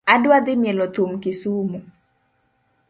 Adwa dhii mielo thum kisumu .